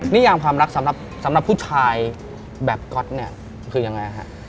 นิยามความรักสำหรับผู้ชายแบบก๊อตเนี่ยคือยังไงฮะ